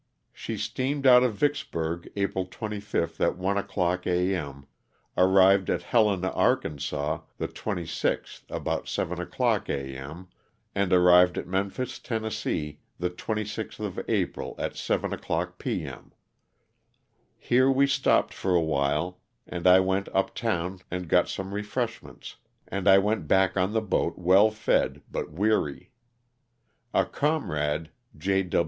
She steamed out of Vicks burg, April 25, at one o'clock a. m., arrived at Helena, Ark., the 26th, about seven o'clock a. m., and arrived at Memphis, Tenn., the 26th of April at seven o'clock p. M. Here we stopped for a while and I went up town and got some refreshments, and I went back on the boat well fed but weary. A comrade, J.